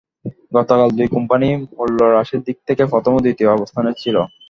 গতকাল দুই কোম্পানিই মূল্যহ্রাসের দিক থেকে প্রথম ও দ্বিতীয় অবস্থানে ছিল।